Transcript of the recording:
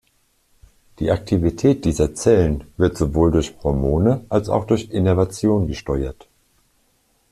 Die Aktivität dieser Zellen wird sowohl durch Hormone als auch durch Innervation gesteuert.